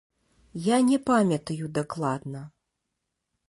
Я не памятаю дакладна.